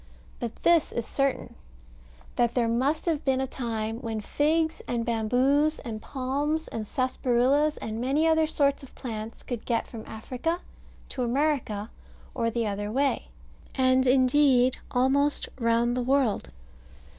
But this is certain, that there must have been a time when figs, and bamboos, and palms, and sarsaparillas, and many other sorts of plants could get from Africa to America, or the other way, and indeed almost round the world.